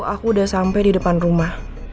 aku udah sampai di depan rumah